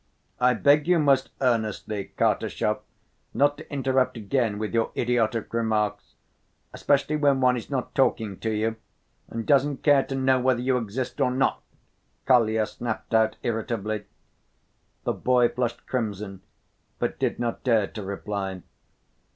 "I beg you most earnestly, Kartashov, not to interrupt again with your idiotic remarks, especially when one is not talking to you and doesn't care to know whether you exist or not!" Kolya snapped out irritably. The boy flushed crimson but did not dare to reply.